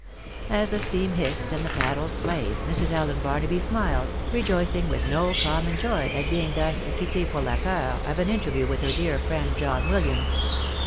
As the steam hissed and the paddles played, Mrs. Allen Barnaby smiled, rejoicing with no common joy at being thus quitte pour la peur of an interview with her dear friend John Williams.